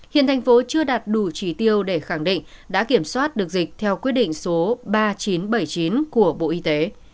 hiện thành phố chưa đạt đủ trí tiêu để khẳng định đã kiểm soát được dịch theo quyết định số ba nghìn chín trăm bảy mươi chín của bộ y tế